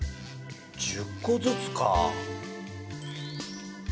１０個ずつか。